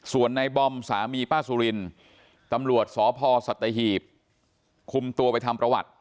ส่วนในบอมสามีป้าสุรินตำรวจสพสัตหีบคุมตัวไปทำประวัติ